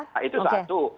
nah itu satu